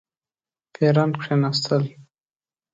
پیران کښېنستل.